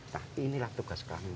nah inilah tugas kami